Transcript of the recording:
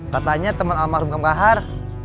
katanya teman almarhum kang bahar